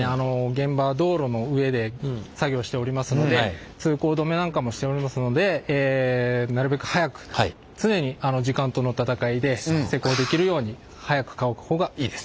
現場道路の上で作業しておりますので通行止めなんかもしておりますのでなるべく早く常に時間との闘いで施工できるように速く乾く方がいいです。